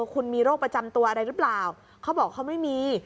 คุณมีโรคประจำตัวอะไรหรือเปล่าเขาบอกเขาไม่มี